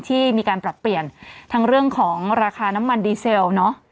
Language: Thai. ที่มีการปรับเปลี่ยนทั้งเรื่องของราคาน้ำมันดีเซลเนอะ